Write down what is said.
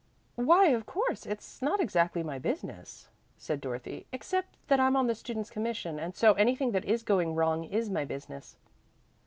"Why, of course, it's not exactly my business," said Dorothy, "except that I'm on the Students' Commission, and so anything that is going wrong is my business.